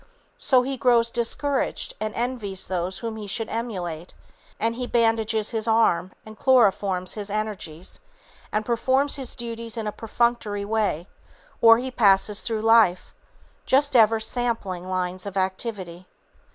So he grows discouraged and envies those whom he should emulate, and he bandages his arm and chloroforms his energies, and performs his duties in a perfunctory way, or he passes through life, just ever "sampling" lines of activity.